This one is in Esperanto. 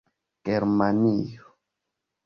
germanio